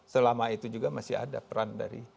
selama itu juga masih ada peran dari